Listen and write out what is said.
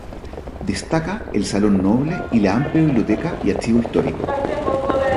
Destaca el salón noble y la amplia biblioteca y archivo histórico.